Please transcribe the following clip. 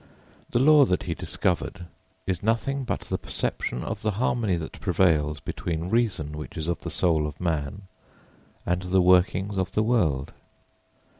The law that he discovered is nothing but the perception of harmony that prevails between reason which is of the soul of man and the workings of the world.